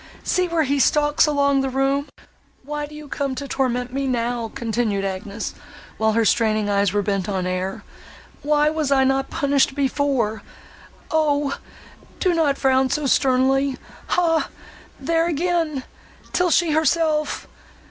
—see where he stalks along the room! Why do you come to torment me now?" continued Agnes, while her straining eyes were bent on air, "why was not I punished before?—O! do not frown so sternly! Hah! there again! 'tis she herself!